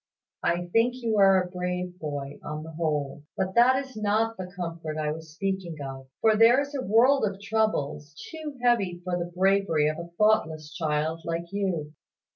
"I think you are a brave boy, on the whole. But that is not the comfort I was speaking of; for there is a world of troubles too heavy for the bravery of a thoughtless child, like you.